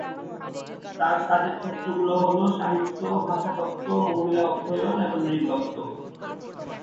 তার কাজের ক্ষেত্রগুলো হল: সাহিত্য, ভাষাতত্ত্ব, মহিলা অধ্যয়ন এবং নৃতত্ত্ব।